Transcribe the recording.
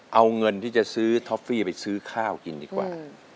เอาเงินที่จะซื้อท็อฟฟี่ไปซื้อข้าวกินดีกว่า